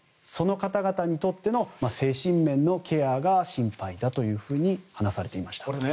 その方々にとっての精神面のケアが心配だと話されていました。